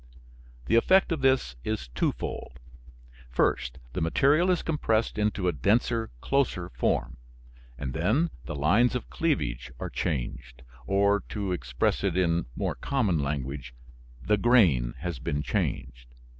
The effect of this is twofold. First, the material is compressed into a denser, closer form, and then, the lines of cleavage are changed, or to express it in more common language, the grain has been changed.